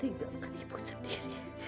tinggalkan ibu sendiri